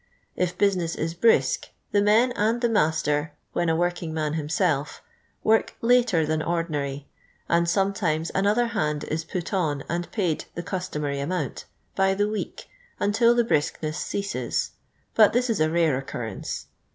If business is bri.sk, the men and the nuister, when a working man himself, work Liter than ordinary, and some times another hand is put on and paid the cus tomary amount, by the week, until the brisk ness cea>es ; but this is a rare occurrence.